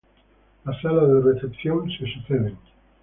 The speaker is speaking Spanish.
Las salas de recepción se suceden.